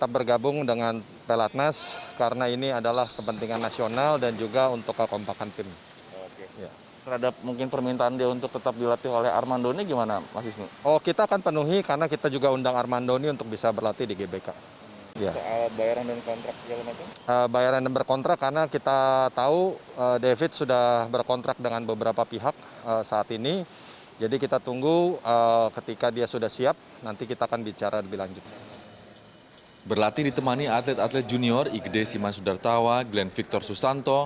berlatih ditemani atlet atlet junior igde siman sudartawa glenn victor susanto